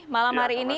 malam hari ini